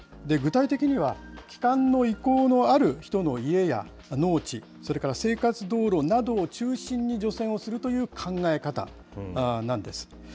具体的には、帰還の意向のある人の家や農地、それから生活道路などを中心に除染をするという考え方なんです。